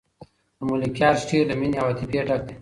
د ملکیار شعر له مینې او عاطفې ډک دی.